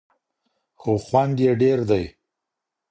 خو خوند یې ډېر دی.